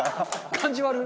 感じ悪っ！